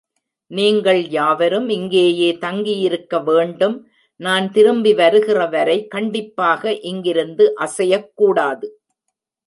நீங்கள் யாவரும் இங்கேயே தங்கியிருக்க வேண்டும் நான் திரும்பி வருகிறவரை கண்டிப்பாக இங்கிருந்து அசையக் கூடாது.